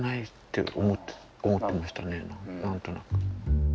何となく。